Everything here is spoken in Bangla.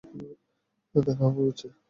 দেখা হবে, পিচ্চি।